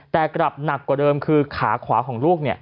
แต่กลับหนักกว่าเดิมคือขาขวาของลูก